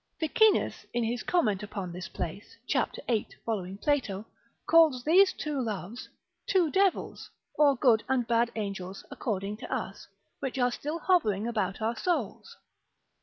Ficinus, in his comment upon this place, cap. 8. following Plato, calls these two loves, two devils, or good and bad angels according to us, which are still hovering about our souls.